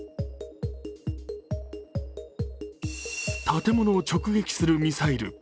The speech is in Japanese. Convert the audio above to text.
建物を直撃するミサイル。